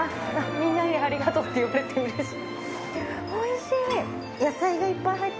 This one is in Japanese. みんなにありがとうって言われて、うれしい。